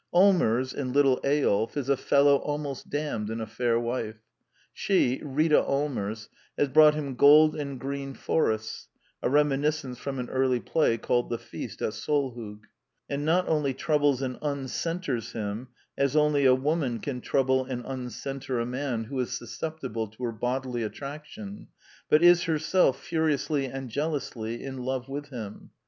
Allmers, in Little Eyolf, is a fellow almost damned in a fair wife. She, Rita Allmers, has brought him "gold and green forests" (a remi niscence from an early play called The Feast at Solhoug) , and not only troubles and uncentres him as only a woman can trouble and uncentre a man who is susceptible to her bodily attraction, but is herself furiously and jealously in love with him.